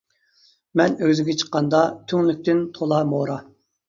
مەن ئۆگزىگە چىققاندا، تۈڭلۈكتىن تولا مورا.